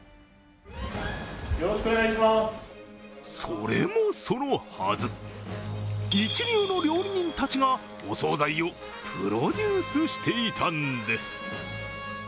それもそのはず、一流の料理人たちがお総菜をプロデュースしていたんです。